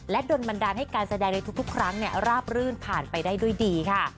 และโดนบันดาลให้การแสดงในทุกครั้งราบรื่นผ่านไปได้ด้วยดีค่ะ